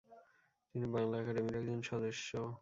তিনি বাংলা একাডেমির একজন সদস্য।